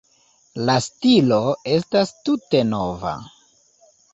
La stilo estas tute nova.